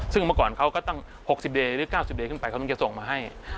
ซึ่งเมื่อก่อนเขาก็ตั้ง๖๑หรือ๙๑ขึ้นไปเขาถึงจะส่งมาให้